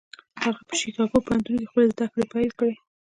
هغه په شيکاګو پوهنتون کې خپلې زدهکړې پيل کړې.